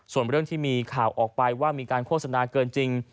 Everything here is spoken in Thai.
ส่วนเรื่องที่มีข่าวออกไปว่ามีการโฆษณาเกินจริง